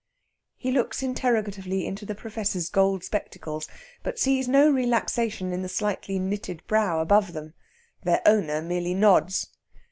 He looks interrogatively into the Professor's gold spectacles, but sees no relaxation in the slightly knitted brow above them. Their owner merely nods.